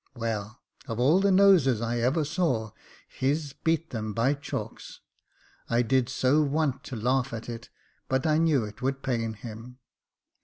Well, of all the noses I ever saw, his beats them by chalks ; I did so want to laugh at it, but I knew it would pain him."